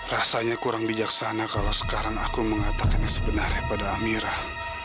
rasanya kurang bijaksana kalau sekarang aku mengatakan sebenarnya pada amirah